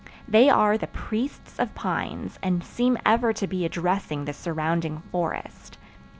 They are the priests of pines and seem ever to be addressing the surrounding forest.